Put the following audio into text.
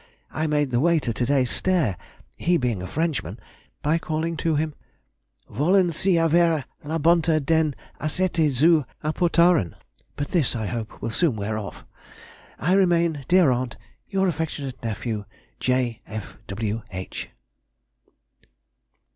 I made the waiter to day stare (he being a Frenchman) by calling to him, "Wollen Sie avere la bontà den acete zu apportaren!" But this, I hope, will soon wear off. I remain, dear aunt, Your affectionate nephew, J. F. W. H.